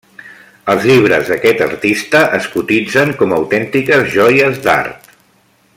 Els llibres d'aquest artista es cotitzen com a autèntiques joies d'art.